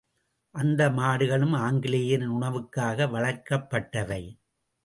அந்த மாடுகளும் ஆங்கிலேயரின் உணவுக்காக வளர்க்கப்பட்டவை!